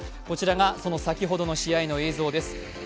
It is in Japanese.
こちらが、その先ほどの試合の映像です。